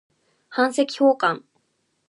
版籍奉還